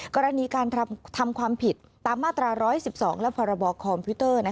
กรณีการทำความผิดตามมาตรา๑๑๒และพรบคอมพิวเตอร์